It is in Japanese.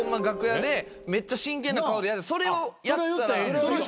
楽屋でめっちゃ真剣な顔でそれをやったら。